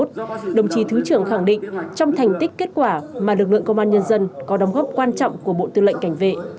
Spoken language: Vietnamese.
đồng chí thứ trưởng khẳng định trong thành tích kết quả mà lực lượng công an nhân dân có đóng góp quan trọng của bộ tư lệnh cảnh vệ